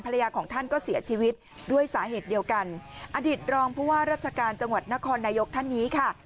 ของท่านก็เสียชีวิตด้วยสาเหตุเดียวกันอดีตรองผู้ว่าราชการจังหวัดนครนายกท่านนี้ค่ะ